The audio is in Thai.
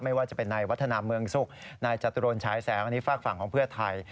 ไม่ว่าจะเป็นนายวัฒนาเมืองสุขนายจตุรนฉายแสงอันนี้ฝากฝั่งของเพื่อไทย